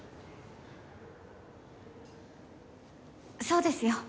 そうですよ。